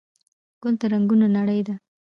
ګل د رنګونو نړۍ ده.